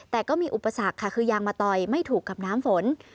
แต่ก็มีอุปสรรคค่ะคือยางมะตอยไม่ถูกกับน้ำฝน